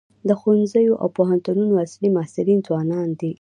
د ښوونځیو او پوهنتونونو اصلي محصلین ځوانان دي.